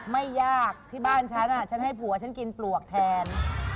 ไม่ยากที่บ้านฉันฉันให้ผัวฉันกินปลวกแทน